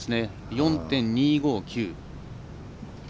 ４．２５９。